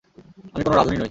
আমি কোনো রাঁধুনি নই!